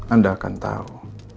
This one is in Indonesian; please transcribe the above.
anda akan tahu